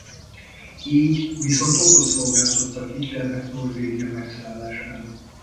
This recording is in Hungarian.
Így viszont okot szolgáltattak Hitlernek Norvégia megszállására.